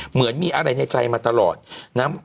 เหมือนมีอะไรในใจมาตลอดนะ